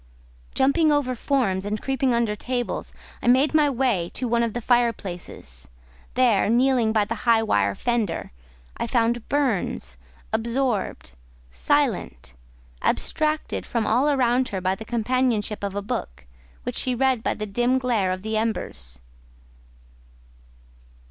Jumping over forms, and creeping under tables, I made my way to one of the fire places; there, kneeling by the high wire fender, I found Burns, absorbed, silent, abstracted from all round her by the companionship of a book, which she read by the dim glare of the embers.